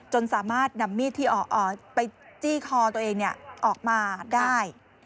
จนสามารถนำมีดที่ไปจี้คอตัวเองออกมาได้